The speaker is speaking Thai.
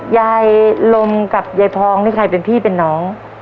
ยายลมกับยายทองนี่ใครเป็นพี่เป็นน้อง